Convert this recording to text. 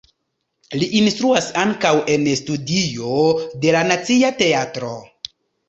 Li instruas ankaŭ en studio de la Nacia Teatro.